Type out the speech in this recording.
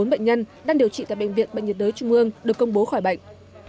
bốn bệnh nhân đang điều trị tại bệnh viện bệnh nhiệt đới trung ương được công bố khỏi bệnh